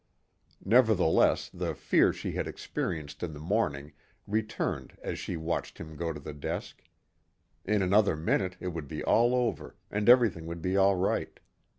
Nevertheless the fear she had experienced in the morning returned as she watched him go to the desk. In another minute it would be all over and everything would be all right.